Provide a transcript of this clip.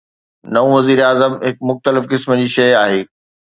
نئون وزيراعظم هڪ مختلف قسم جي شيء آهي.